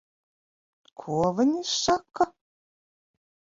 Ko viņi saka?